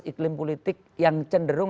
iklim politik yang cenderung